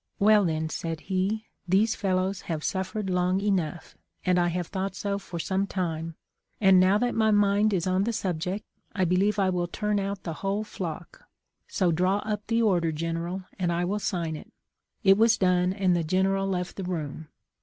' Well, then,' said he, ' these fellows have suffered long enough, and I have thought so for some time, and now that my mind is on the sub ject I believe I will turn out the whole flock. So, draw up the order, General, and I will sign it.' It was done and the General left the room.